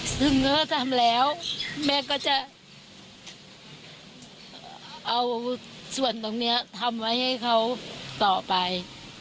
ซึ่งเมื่อทำแล้วแม่ก็จะเอาส่วนตรงนี้ทำไว้ให้เขาต่อไป